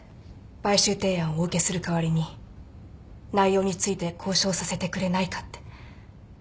買収提案をお受けする代わりに内容について交渉させてくれないかって。